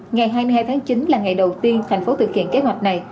ngày hai mươi hai tháng chín là ngày đầu tiên thành phố thực hiện kế hoạch này